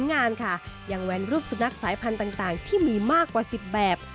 งานค่ะยังแว้นรูปสุนัขสายพันธุ์ต่างที่มีมากกว่า๑๐แบบ